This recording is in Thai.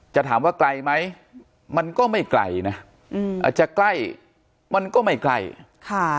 ถามว่าไกลไหมมันก็ไม่ไกลนะอืมอาจจะใกล้มันก็ไม่ไกลค่ะ